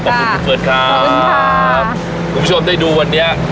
ขอบคุณคุณเฟิร์ดครับครับคุณผู้ชมได้ดูวันนี้